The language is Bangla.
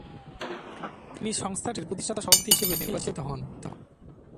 তিনি সংস্থাটির প্রতিষ্ঠাতা সভাপতি হিসেবে নির্বাচিত হন।